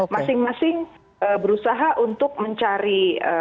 masing masing berusaha untuk mencari